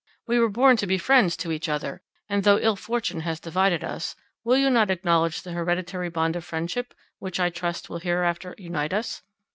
We were born to be friends to each other; and though ill fortune has divided us, will you not acknowledge the hereditary bond of friendship which I trust will hereafter unite us?"